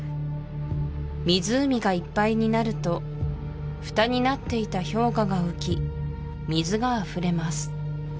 湖がいっぱいになるとふたになっていた氷河が浮き水があふれます